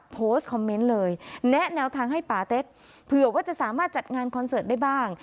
โพสต์คอมเมนต์เลยแนะแนวทางให้ป่าเต็กเผื่อว่าจะสามารถจัดงานคอนเสิร์ตได้บ้าง